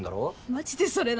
マジでそれな！